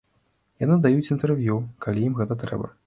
Яны даюць інтэрв'ю, калі ім гэта трэба.